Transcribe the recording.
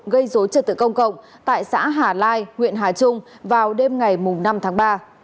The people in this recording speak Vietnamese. gây dối trật tự công cộng tại xã hà lai huyện hà trung vào đêm ngày năm tháng ba